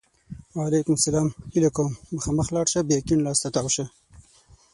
وعلیکم سلام! هیله کوم! مخامخ لاړ شه! بیا کیڼ لاس ته تاو شه!